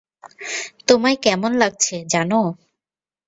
তোমায় কেমন লাগছে জানো?